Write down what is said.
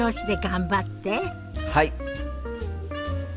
はい！